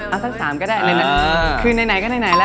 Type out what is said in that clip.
เอ้าซักสามก็ได้คือในไหนก็ในไหนล่ะ